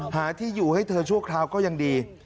หาที่อยู่ให้เธอชั่วคราวก็ยังดี